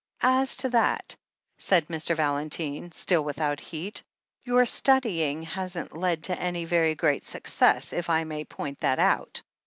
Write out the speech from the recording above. As to that/' said Mr. Valentine, still without heat, your studying hasn't led to any very great success, if I may point that out.